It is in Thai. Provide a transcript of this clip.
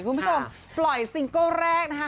คุณผู้ชมปล่อยซิงเกิ้ลแรกนะคะ